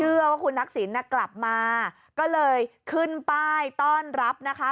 ว่าคุณทักษิณกลับมาก็เลยขึ้นป้ายต้อนรับนะคะ